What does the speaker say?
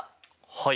はい。